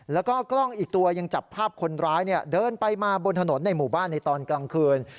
แล้วก็กล้องอีกตัวยังจับภาพคนร้ายเดินไปมาบนถนนในหมู่บ้านในตอนกลางคืน